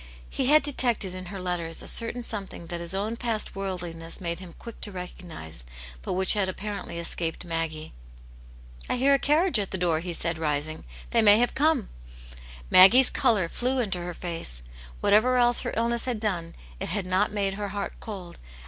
He had detected in her letters a certain something that his own past worldliness made him quick to recognize, but which had apparently escaped Maggie. '*I hear a carriage at the door," he said, rising. " They may have come." Maggie's colour flew into her face ; whatever else her illness had done, it had not made her heart cold, and.